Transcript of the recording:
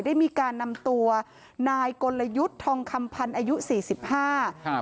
ได้มีการนำตัวนายกลยุทธ์ทองคำพันธ์อายุสี่สิบห้าครับ